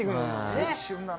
・青春だな・